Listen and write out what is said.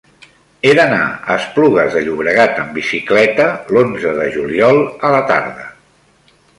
He d'anar a Esplugues de Llobregat amb bicicleta l'onze de juliol a la tarda.